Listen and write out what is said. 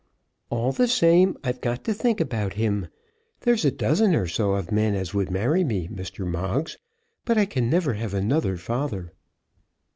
"All the same I've got to think about him. There's a dozen or so of men as would marry me, Mr. Moggs; but I can never have another father."